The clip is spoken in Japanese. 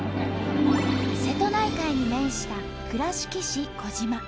瀬戸内海に面した倉敷市児島。